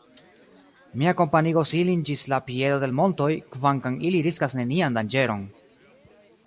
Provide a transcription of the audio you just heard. Mi akompanigos ilin ĝis la piedo de l' montoj, kvankam ili riskas nenian danĝeron.